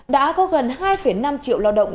đã có gần hai năm triệu loa động